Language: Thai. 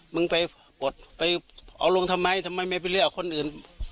มึงไปปลดไปเอาลงทำไมทำไมไม่ไปเรียกคนอื่น